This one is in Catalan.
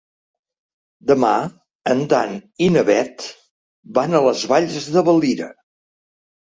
Demà en Dan i na Bet van a les Valls de Valira.